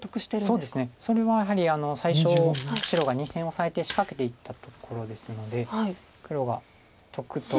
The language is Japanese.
そうですねそれはやはり最初白が２線オサえて仕掛けていったところですので黒が得と。